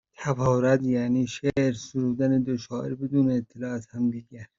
توارد یعنی شعر سرودن دو شاعر بدون اطلاع از همدیگر